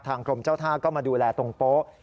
กรมเจ้าท่าก็มาดูแลตรงโป๊ะ